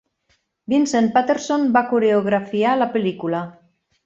Vincent Paterson va coreografiar la pel·lícula.